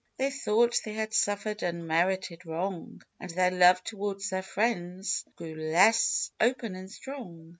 They thought they had suffered unmerited wrong, And their love towards their friends grew less open and strong.